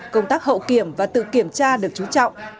công tác hậu kiểm và tự kiểm tra được chú trọng